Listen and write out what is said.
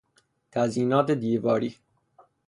تزیینات دیواری